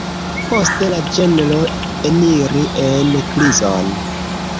Poste la ĝenro eniri en krizon.